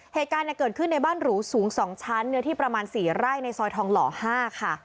เหตุการณ์เกิดขึ้นในบ้านหรูสูง๒ชั้นเนื้อที่ประมาณ๔ไร่ในซอยทองหล่อ๕ค่ะ